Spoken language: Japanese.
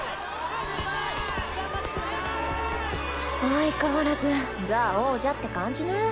・相変わらずザ王者って感じね。